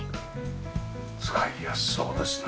使いやすそうですね。